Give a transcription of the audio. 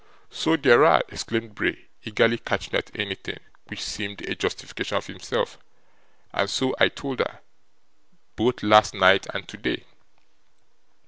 'So there are!' exclaimed Bray, eagerly catching at anything which seemed a justification of himself. 'And so I told her, both last night and today.